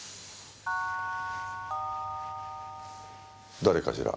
誰かしら。